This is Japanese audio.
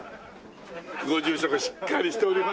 ご住職しっかりしておりますね。